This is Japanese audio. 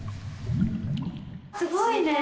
すごいね！